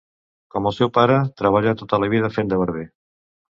Com el seu pare, treballà tota la vida fent de barber.